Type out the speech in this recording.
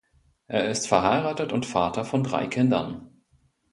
Er ist verheiratet und Vater von drei Kindern.